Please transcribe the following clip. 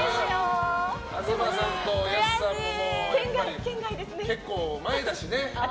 東さんと安さんは結構前だしね。